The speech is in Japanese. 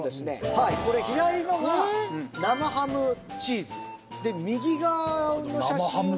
はいこれ左のが生ハムチーズで右側の写真は？